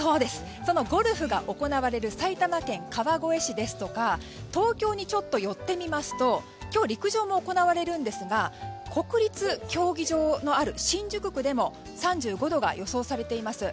そのゴルフが行われる埼玉県川越市や、東京にちょっと寄ってみますと今日、陸上も行われるんですが国立競技場のある新宿区でも３５度が予想されています。